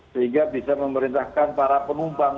sehingga bisa memerintahkan para penumpang